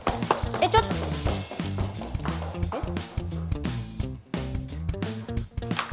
えっちょっとえっ？